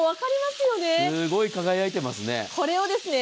すごい輝いてますね。